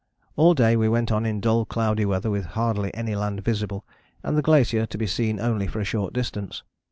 "All day we went on in dull cloudy weather with hardly any land visible, and the glacier to be seen only for a short distance.